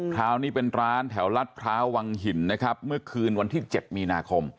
คราวนี้เป็นร้านแถวรัฐพร้าววังหินนะครับเมื่อคืนวันที่๗มีนาคม